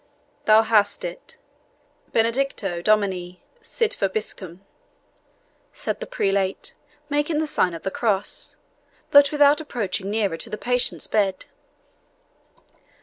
"Thou hast it BENEDICTIO DOMINI SIT VOBISCUM," said the prelate, making the sign of the cross, but without approaching nearer to the patient's bed.